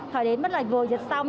thời điểm mới là vừa dịch xong